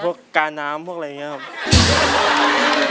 เหมือนพวกกาน้ำพวกอะไรอย่างนี้ครับ